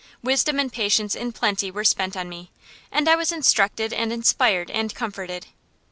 Wisdom and patience in plenty were spent on me, and I was instructed and inspired and comforted.